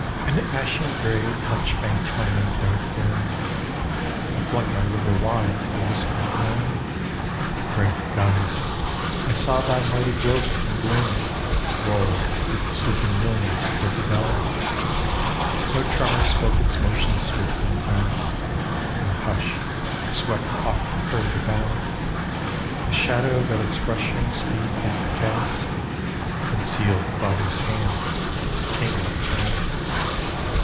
An ashen grey touched faint my night dark room, I flung my window wide to the whispering lawn Great God! I saw Thy mighty globe from gloom Roll with its sleeping millions to the dawn. No tremor spoke its motion swift and vast, In hush it swept the awful curve adown, The shadow that its rushing speed did cast Concealed the Father's hand, the Kingly crown.